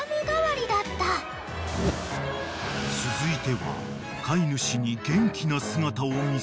［続いては］